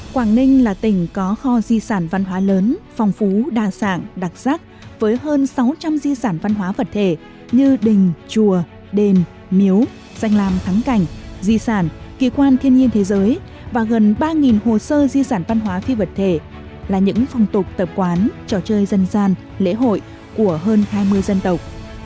quảng ninh là tỉnh có kho di sản văn hóa lớn phong phú đa sản đặc sắc với hơn sáu trăm linh di sản văn hóa vật thể như đình chùa đền miếu danh làm thắng cảnh di sản kỳ quan thiên nhiên thế giới và gần ba hồ sơ di sản văn hóa phi vật thể là những phong tục tập quán trò chơi dân gian lễ hội của hơn hai mươi dân tộc